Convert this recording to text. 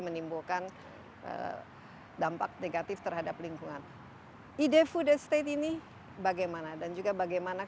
menimbulkan dampak negatif terhadap lingkungan ide food estate ini bagaimana dan juga bagaimana